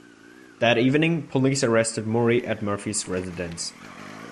That evening, police arrested Moore at Murphy's residence.